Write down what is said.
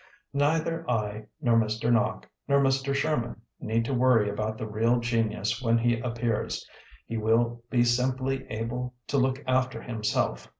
Neither I, nor Mr. Nock, nor Mr. Sherman, need to worry about the real genius when he appears; he will be amply able to look after him self.